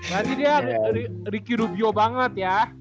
jadi dia ricky rubio banget ya